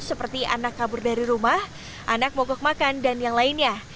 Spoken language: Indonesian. seperti anak kabur dari rumah anak mogok makan dan yang lainnya